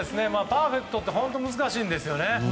パーフェクトって本当に難しいんですよ。